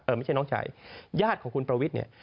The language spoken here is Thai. ไม่ใช่น้องชายญาติของคุณประวิทย์เนี่ย